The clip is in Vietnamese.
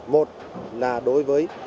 một là đối với